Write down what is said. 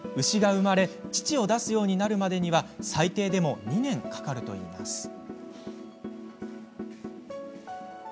牛が生まれ乳を出すようになるまでには最低でも２年かかるといいます。